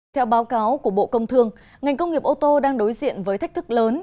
theo báo cáo của bộ công thương ngành công nghiệp ô tô đang đối diện với thách thức lớn